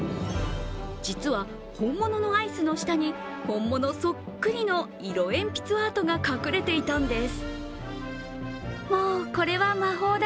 実は、本物のアイスの下に本物そっくりの色鉛筆アートが隠れていたんです。